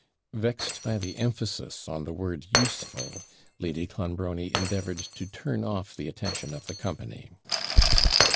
Vexed by the emphasis on the word USEFUL, Lady Clonbrony endeavoured to turn off the attention of the company.